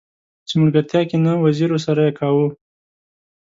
چې ملګرتيا کې نه وزيرو سره يې کاوه.